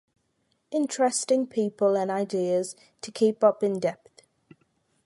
Interesting people an ideas, to keep up in depth.